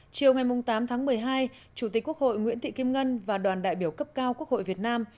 chiều ngày tám tháng một mươi hai chủ tịch quốc hội nguyễn thị kim ngân và đoàn đại biểu cấp cao quốc hội việt nam